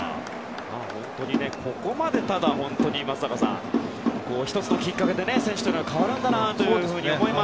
ここまで１つのきっかけで選手というのは変わるんだなと思います。